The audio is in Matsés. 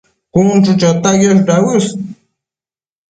cun chu chota quiosh dauës